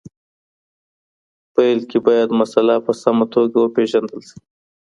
پیل کي باید مسله په سمه توګه وپېژندل سي.